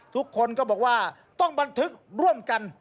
ทุกคนก็บอกว่าต้องบันทึกร่วมกัน